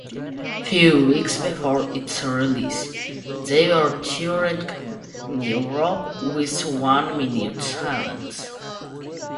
Few weeks before its release, they were touring in Europe with One Minute Silence.